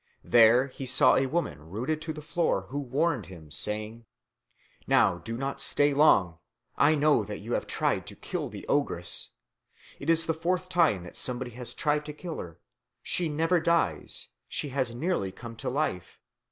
There he saw a woman rooted to the floor, who warned him, saying, "Now do not stay long. I know that you have tried to kill the ogress. It is the fourth time that somebody has tried to kill her. She never dies; she has nearly come to life.